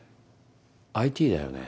ＩＴだよね？